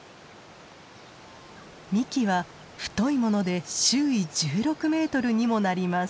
幹は太いもので周囲１６メートルにもなります。